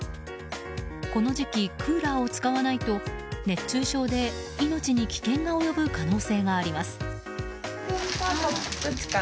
この時期、クーラーを使わないと熱中症で命に危険が及ぶ可能性があります。